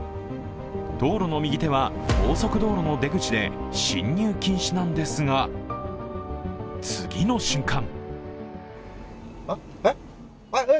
道路の右手は、高速道路の出口で進入禁止なんですが、次の瞬間！